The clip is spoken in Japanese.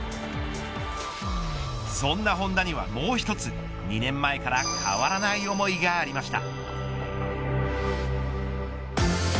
そんな本多にはもう一つ２年前から変わらない思いがありました。